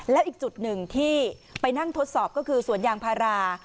แล้วอีกจุดหนึ่งที่ไปนั่งทดสอบก็คือสวนยางพารา